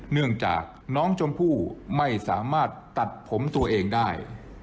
เนื่องจากน้องชมพู่ไม่สามารถตัดผมตัวเองได้